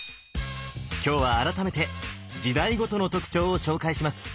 今日は改めて時代ごとの特徴を紹介します。